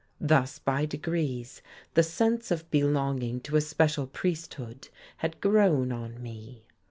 Thus by degrees the sense of belonging to a special priesthood had grown on me.